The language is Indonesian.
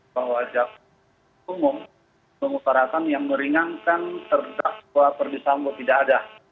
penghujung umum pengusaratan yang meringankan terhadap ferdisambo tidak ada